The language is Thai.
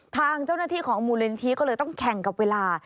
ทางเจ้าหน้าที่ของมูลนิธิก็เลยต้องแข่งกับเวลา